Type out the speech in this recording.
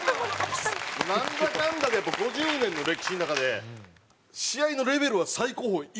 なんだかんだでやっぱ５０年の歴史の中で試合のレベルは最高峰今がすごいんですよ。